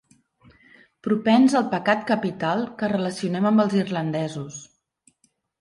Propens al pecat capital que relacionem amb els irlandesos.